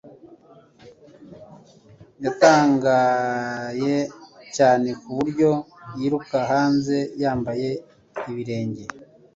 Yatangaye cyane ku buryo yiruka hanze yambaye ibirenge